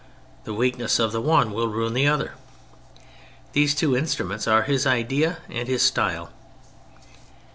The weakness of the one will ruin the other. These two instnunents are his idea and his style.